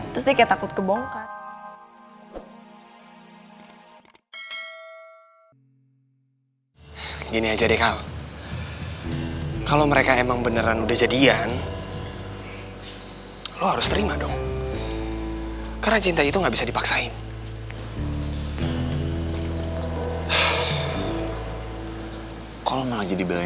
terus dia kayak takut kebongkar